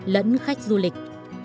lẫn khách du lịch